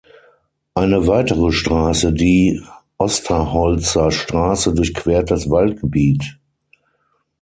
Eine weitere Straße, die „"Osterholzer Straße"“, durchquert das Waldgebiet.